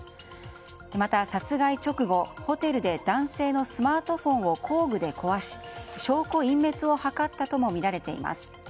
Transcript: また殺害直後、ホテルで男性のスマートフォンを工具で壊し、証拠隠滅を図ったともみられています。